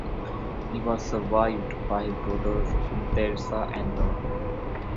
He was survived by his daughters Teresa and Laura.